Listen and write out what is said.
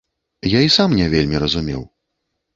Я і сам не вельмі разумеў.